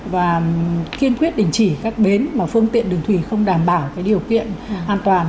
và kiên quyết đình chỉ các bến mà phương tiện đường thủy không đảm bảo điều kiện an toàn